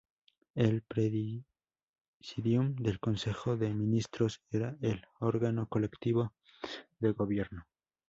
El Presidium del Consejo de Ministros era el órgano colectivo de gobierno.